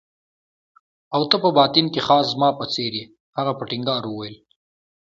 او ته په باطن کې خاص زما په څېر يې. هغه په ټینګار وویل.